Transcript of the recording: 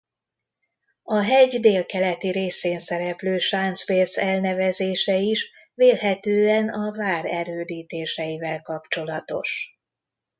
A hegy délkeleti részén szereplő Sánc-bérc elnevezése is vélhetően a vár erődítéseivel kapcsolatos.